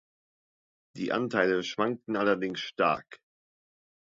Die Anteile schwankten allerdings stark.